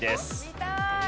見たい！